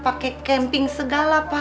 pakai camping segala pa